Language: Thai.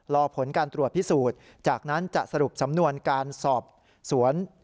รอผลการตรวจพิสูจน์จากนั้นจะสรุปสำนวนการสอบสวน